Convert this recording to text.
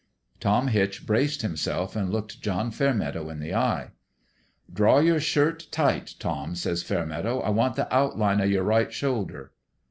" Tom Hitch braced himself and looked John Fairmeadow in the eye. "'Draw your shirt tight, Tom/ says Fair meadow. 'I want the outline of your right shoulder.'